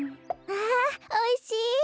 ああおいしい！